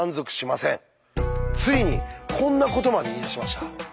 ついにこんなことまで言いだしました。